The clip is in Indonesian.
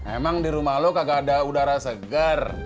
emang di rumah lo kagak ada udara segar